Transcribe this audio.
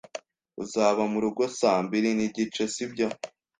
Uzaba murugo saa mbiri nigice, sibyo?